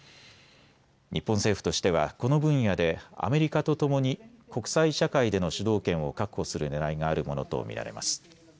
日本政府としてはこの分野でアメリカとともに国際社会での主導権を確保するねらいがあるものと見られます。